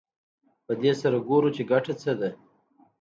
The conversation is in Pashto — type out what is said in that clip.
په دې سره ګورو چې ګټه څه ده